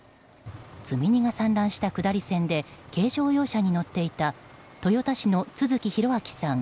積み荷が散乱した下り線で軽乗用車に乗っていた豊田市の都築弘明さん